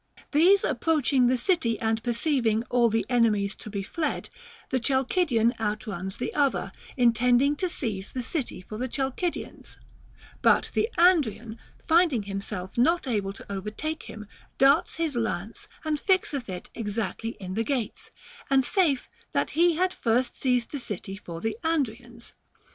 These approaching the city and perceiving all the enemies to be fled, the Chalcidian outruns the other, intending to seize the city for the Chalcidians ; but the Andrian, finding himself not able to overtake him, darts his lance and fixeth it exactly in the gates, and saith that he had first seized the city for the Andrians.